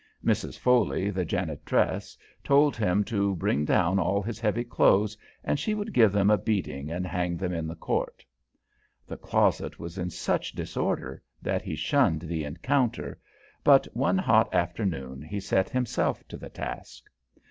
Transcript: Mrs. Foley, the janitress, told him to bring down all his heavy clothes and she would give them a beating and hang them in the court. The closet was in such disorder that he shunned the encounter, but one hot afternoon he set himself to the task.